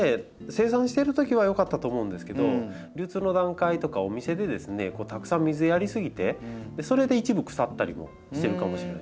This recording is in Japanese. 生産してるときは良かったと思うんですけど流通の段階とかお店でたくさん水やり過ぎてそれで一部腐ったりもしてるかもしれないですね。